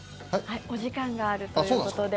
お時間があるということで。